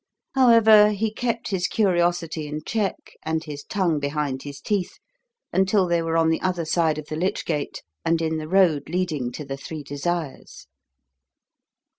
However, he kept his curiosity in check and his tongue behind his teeth until they were on the other side of the lich gate and in the road leading to the Three Desires.